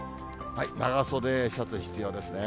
長袖シャツ必要ですね。